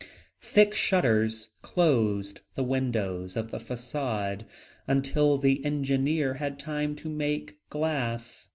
Thick shutters closed the windows of the facade, until the engineer had time to make glass.